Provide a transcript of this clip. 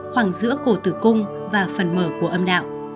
khoảng giữa cổ tử cung và phần mở của âm đạo